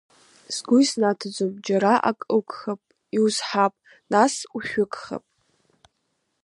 Сгәы иснаҭом џьара ак угхап иузҳап, нас-нас ушәҩыкхап.